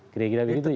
kira kira begitu ya